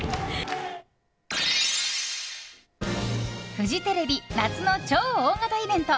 フジテレビ夏の超大型イベント